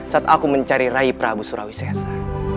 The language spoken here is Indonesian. saat aku mencari rai prabu surawisesa